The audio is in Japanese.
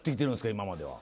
今までは。